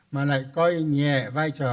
mà lại coi nhẹ vai trò